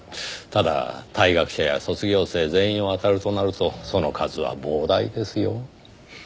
ただ退学者や卒業生全員をあたるとなるとその数は膨大ですよ。